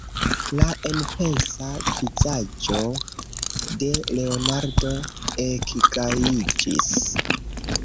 La enpensa vizaĝo de Leonardo ekgajiĝis.